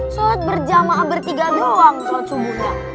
sholat berjamaah bertiga doang sholat subuhnya